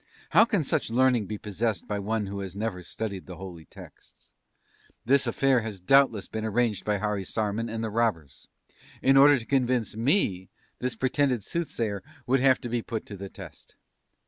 How can such learning be possessed by one who has never studied the holy texts? This affair has doubtless been arranged by Harisarman and the robbers. In order to convince me this pretended Soothsayer would have to be put to the test!'